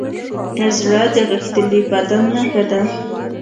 زړه د غښتلي بدن نښه ده.